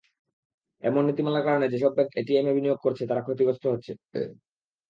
এমন নীতিমালার কারণে যেসব ব্যাংক এটিএমে বিনিয়োগ করছে, তারা ক্ষতিগ্রস্ত হচ্ছে।